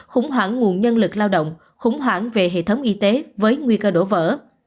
khủng hoảng nguồn nhân lực lao động khủng hoảng về hệ thống y tế với nguy cơ đổ vỡ